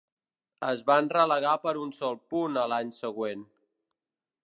Es van relegar per un sol punt a l'any següent.